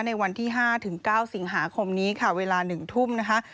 ในวันที่๕ถึง๙สิงหาคมนี้ค่ะเวลา๑ทุ่มนะคะ